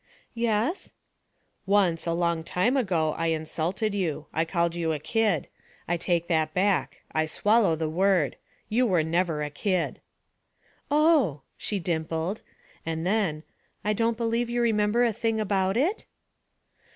'Yes?' 'Once, a long time ago, I insulted you; I called you a kid. I take it back; I swallow the word. You were never a kid.' 'Oh,' she dimpled, and then, 'I don't believe you remember a thing about it?'